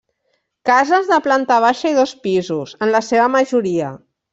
Cases de planta baixa i dos pisos, en la seva majoria.